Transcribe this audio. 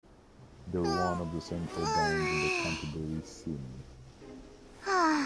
They were one of the central bands in the Canterbury scene.